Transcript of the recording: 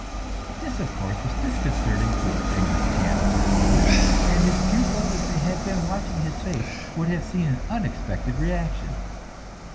This, of course, was disconcerting to a famous piano performer, and his pupils, if they had been watching his face, would have seen an unexpected reaction.